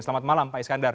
selamat malam pak iskandar